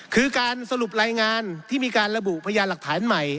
คือการสรุปรายงานที่มีการระบุพยานหลักฐานใหม่